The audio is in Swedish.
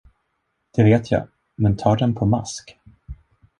Det vet jag, men tar den på mask?